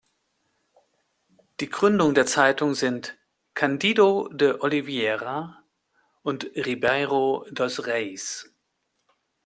Die Gründer der Zeitung sind Cândido de Oliveira und Ribeiro dos Reis.